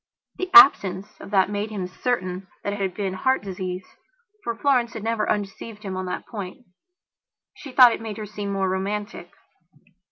The absence of that made him certain that it had been heart disease. For Florence had never undeceived him on that point. She thought it made her seem more romantic.